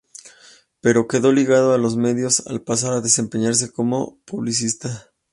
Pero quedó ligado a los medios al pasar a desempeñarse como publicista.